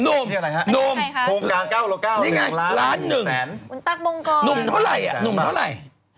นุ่มนุ่มนี่ไงล้านหนึ่งนุ่มเท่าไร